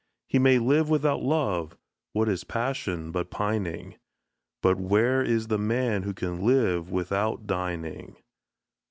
He may live without love what is passion but pining? But where is the man who can live without dining?